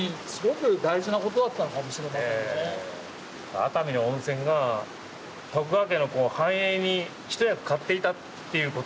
熱海の温泉が徳川家の繁栄に一役買っていたっていうことですもんね。